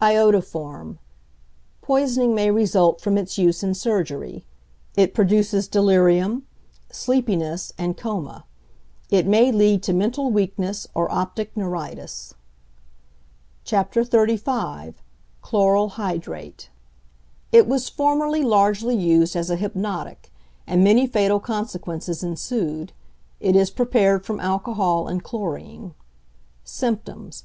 =Iodoform.= Poisoning may result from its use in surgery. It produces delirium, sleepiness, and coma. It may lead to mental weakness or optic neuritis. XXXV. CHLORAL HYDRATE It was formerly largely used as a hypnotic, and many fatal consequences ensued. It is prepared from alcohol and chlorine. _Symptoms.